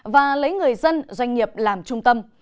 và lấy người dân doanh nghiệp làm trung tâm